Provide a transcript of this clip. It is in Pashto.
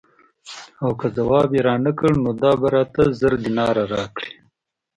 او که ځواب یې رانه کړ نو دا به راته زر دیناره راکړي.